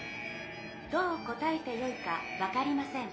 「どう答えてよいか分かりません」。